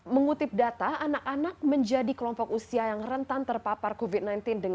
mengutip data anak anak menjadi kelompok usia yang rentan terpapar covid sembilan belas dengan tingkat kematian tersebut